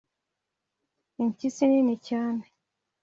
impyisi nini cyane